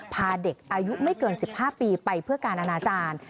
พาเด็กอายุไม่เกิน๑๕ปีไปเพื่อการอนาจารย์